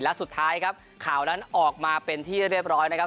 และสุดท้ายครับข่าวนั้นออกมาเป็นที่เรียบร้อยนะครับ